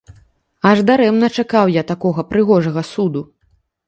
Аж дарэмна чакаў я такога прыгожага суду.